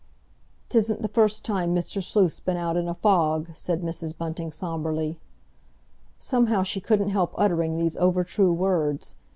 "'Tisn't the first time Mr. Sleuth's been out in a fog," said Mrs. Bunting sombrely. Somehow she couldn't help uttering these over true words.